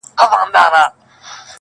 هر يو سر يې هره خوا وهل زورونه.!